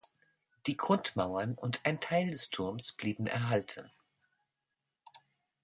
Die Grundmauern und ein Teil des Turms blieben erhalten.